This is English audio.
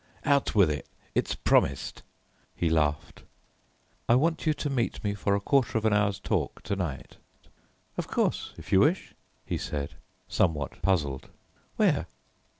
"Out with it, it's promised," he laughed. "I want you to meet me for a quarter of an hour's talk to night." "Of course, if you wish," he said, somewhat puzzled. "Where?"